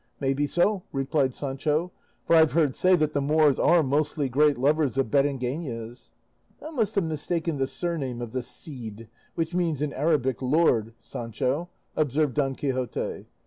"May be so," replied Sancho; "for I have heard say that the Moors are mostly great lovers of berengenas." "Thou must have mistaken the surname of this 'Cide' which means in Arabic 'Lord' Sancho," observed Don Quixote.